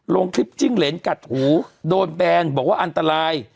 ลงคลิปจิ้งเหรนกัดหูโดนแบนบอกว่าอันตราย